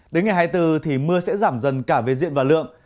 đến ngày hai mươi bốn thì mưa sẽ giảm dần cả về diện và lượng